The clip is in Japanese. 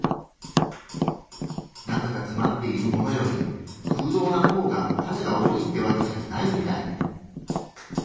中がつまっているものより空洞なほうがタネが多いってわけじゃないみたい。